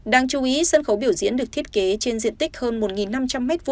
đáng chú ý sân khấu biểu diễn được thiết kế trên diện tích hơn một năm trăm linh m hai